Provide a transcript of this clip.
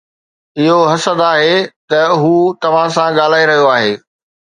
اهو حسد آهي ته هو توهان سان ڳالهائي رهيو آهي